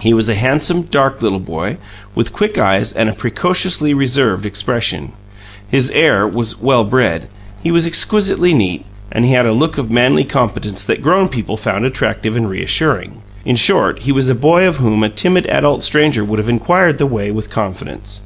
He was a handsome, dark little boy, with quick eyes and a precociously reserved expression; his air was "well bred"; he was exquisitely neat, and he had a look of manly competence that grown people found attractive and reassuring. In short, he was a boy of whom a timid adult stranger would have inquired the way with confidence.